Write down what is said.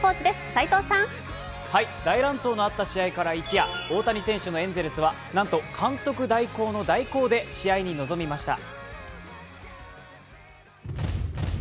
大乱闘のあった試合から一夜、大谷選手のエンゼルスはなんと監督代行の代行で試合に臨みました。